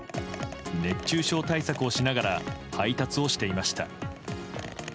熱中症対策をしながら配達をしていました。